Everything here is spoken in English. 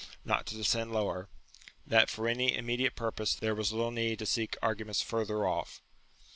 (not to descend lower), that for any immediate purpose there was little need to seek arguments further off.